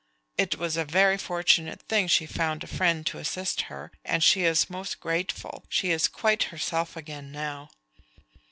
It was a very fortunate thing she found a friend to assist her, and she is most grateful. She is quite herself again now."